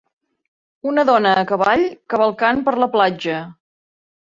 Una dona a cavall, cavalcant per la platja.